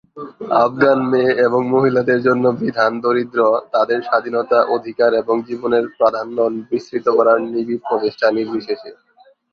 আফগান মেয়ে এবং মহিলাদের জন্য বিধান দরিদ্র, তাদের স্বাধীনতা, অধিকার, এবং জীবনের প্রাধান্য বিস্তৃত করার নিবিড় প্রচেষ্টা নির্বিশেষে।